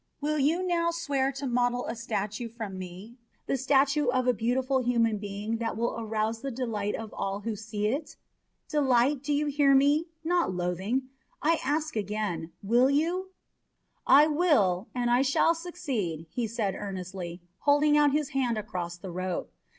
Will you now swear to model a statue from me, the statue of a beautiful human being that will arouse the delight of all who see it? Delight do you hear? not loathing I ask again, will you?" "I will, and I shall succeed," he said earnestly, holding out his hand across the rope.